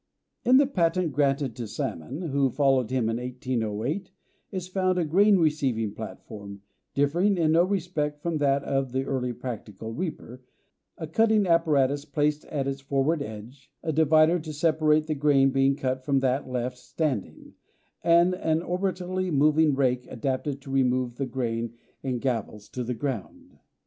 In the patent granted to Salmon, who followed him in 1808, is found a grain receiving platform, differing in no respect from that of the early practical reaper, a cutting apparatus placed at its forward edge, a divider to separate the grain being cut from that left standing, and an orbitally moving rake adapted to remove the grain in gavels to the ground.